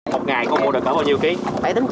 một ngày có mua được bao nhiêu ký